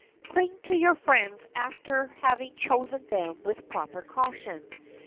Cling to your friends after having chosen them with proper caution.